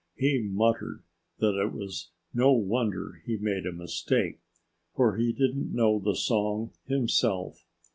He muttered that it was no wonder he made a mistake, for he didn't know the song himself.